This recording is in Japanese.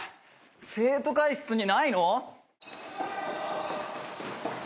生徒会室にないの？